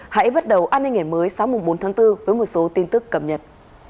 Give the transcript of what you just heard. hãy bắt đầu an ninh ngày mới sáng bốn tháng bốn với một số tin tức cập nhật